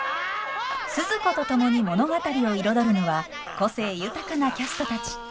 スズ子と共に物語を彩るのは個性豊かなキャストたち。